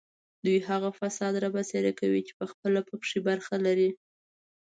دوی هغه فساد رابرسېره کوي چې پخپله په کې برخه لري